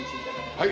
はい。